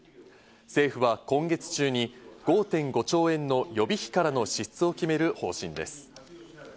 政府は今月中に５．５兆円の予備費からの支出を決める方針です。